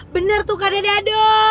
bener tuh kak dede ado